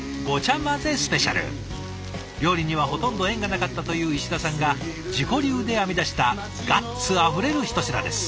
料理にはほとんど縁がなかったという石田さんが自己流で編み出したガッツあふれる一品です。